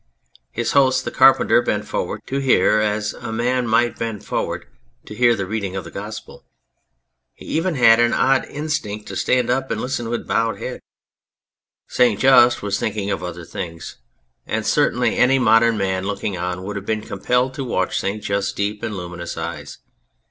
His host, the carpenter, bent forward to hear as a man might bend forward to hear the reading of the Gospel. He even had an odd instinct to stand up and listen with bowed head. St. Just 277 On Anything was thinking of other things. And certainly any modern man looking on would have been compelled to watch St. Just's deep and luminous eyes.